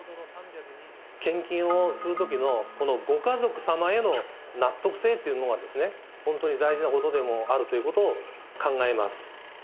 献金をするときの、このご家族様への納得性というものが本当に大事なことでもあるということを考えます。